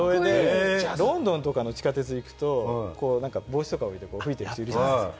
ロンドンとかの地下鉄に行くと吹いてる人いるじゃないですか。